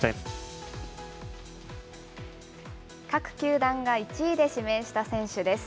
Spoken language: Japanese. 各球団が１位で指名した選手です。